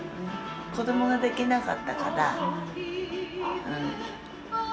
子どもができなかったから。